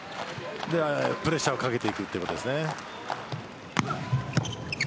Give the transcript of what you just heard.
プレッシャーをかけていくということですね。